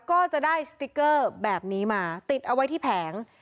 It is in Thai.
ก็จะได้สติ๊กเกอร์แบบนี้มาติดเอาไว้ที่แผง